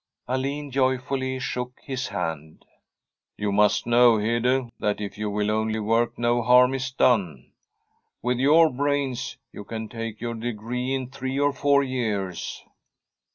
Alin joyfully shook his hand. * You must know, Hede, that if you will only work no harm is done. With your brains, you can take your degree in three or four years.'